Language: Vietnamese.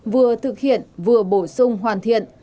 vừa thực hiện vừa bổ sung hoàn thiện